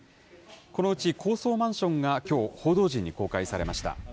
このうち高層マンションがきょう、報道陣に公開されました。